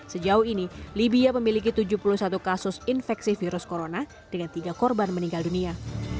sejauh ini libya memiliki tujuh puluh satu kasus infeksi virus corona dengan tiga korban meninggal dunia